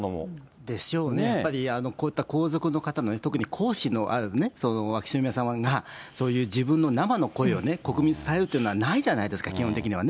こういった皇族の方の、特に皇嗣の秋篠宮さまがそういう自分の生の声を国民に伝えるっていうのはないじゃないですか、基本的には。